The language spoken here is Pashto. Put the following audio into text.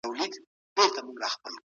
چارواکو به خپل سفارتونه پرانیستي وه.